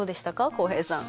浩平さん。